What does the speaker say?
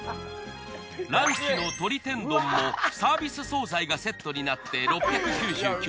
ランチの鶏天丼もサービス惣菜がセットになって。